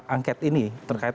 angket ini terkait